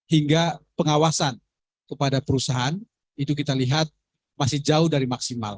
hingga pengawasan kepada perusahaan itu kita lihat masih jauh dari maksimal